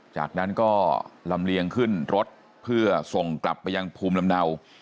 จากนั้นก็ลำเลียงขึ้นรถเพื่อส่งกลับไปยังภูมิลำเนา